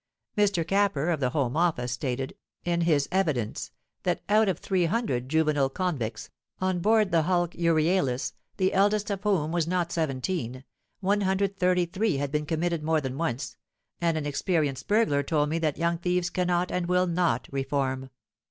Mr. Capper, of the Home Office, stated, in his evidence, that out of 300 juvenile convicts, on board the hulk Euryalus, the eldest of whom was not 17, 133 had been committed more than once; and an experienced burglar told me that young thieves cannot and will not reform.